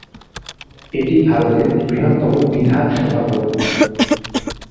এটি ভারতের বৃহত্তম বিধানসভা ভবন।